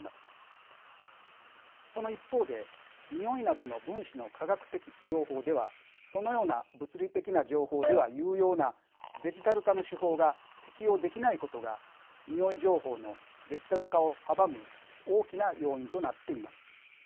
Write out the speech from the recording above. その一方でにおいなどの分子の化学的情報ではそのような物理的な情報では有用なデジタル化の手法が適用できないことがにおい情報のデジタル化を阻む大きな要因となっています。